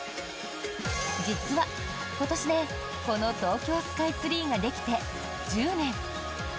実は今年でこの東京スカイツリーができて１０年。